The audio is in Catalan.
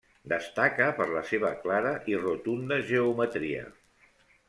Destaca per la seva clara i rotunda geometria.